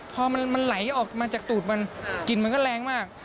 พอมันไหลออกมาจากตูดมันกลิ่นมันก็แรงมาก